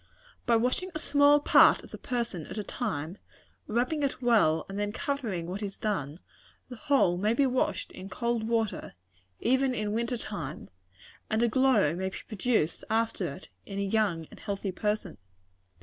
"By washing a small part of the person at a time, rubbing it well, and then covering what is done, the whole may be washed in cold water, even in winter time; and a glow may be produced after it, in a young and healthy person.